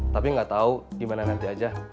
tapi gak tau gimana nanti aja